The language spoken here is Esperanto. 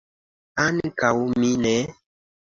Ankaŭ mi ne.